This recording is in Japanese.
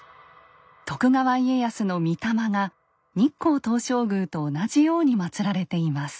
徳川家康の御霊が日光東照宮と同じようにまつられています。